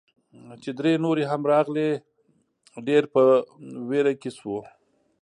چې درې نورې هم راغلې، ډېر په ویره کې شوو.